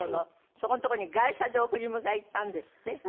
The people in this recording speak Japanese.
そこのとこに外車で送り迎え行ったんですって？